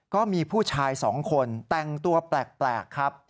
ก็มีผู้ชาย๒คนแต่งตัวแปลกครับ